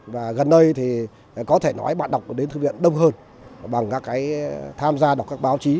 và gần đây có thể nói bạn đọc đến thư viện đông hơn bằng tham gia đọc các báo chí